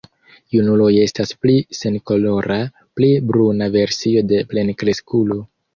Junuloj estas pli senkolora, pli bruna versio de plenkreskulo.